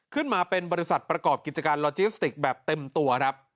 ขึ้นมาเป็นบริษัทประกอบกิจการลอจิสติกแบบเต็มตัวครับ